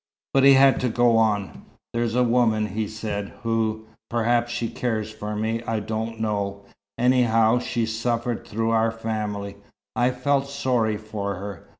But he had to go on. "There's a woman," he said, "who perhaps she cares for me I don't know. Anyhow, she'd suffered through our family. I felt sorry for her.